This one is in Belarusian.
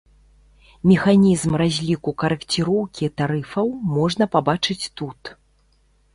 Механізм разліку карэкціроўкі тарыфаў можна пабачыць тут.